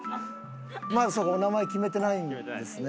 まだそうかお名前決めてないんですね。